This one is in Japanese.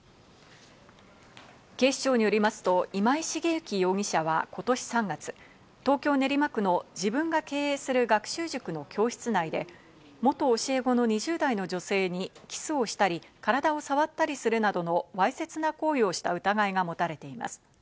警視庁によりますと、今井茂幸容疑者はことし３月、東京・練馬区の自分が経営する学習塾の教室内で、元教え子の２０代の女性にキスをしたり、体を触ったりするなどのわいせつな行為をした疑いが持たれています。